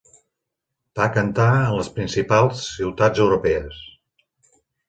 Va cantar en les principals ciutats europees.